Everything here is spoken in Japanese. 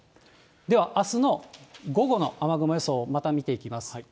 ではあすの午後の雨雲予想をまた見ていきます。